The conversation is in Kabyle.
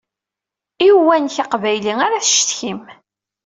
I uwanek aqbayli ara tcetkim.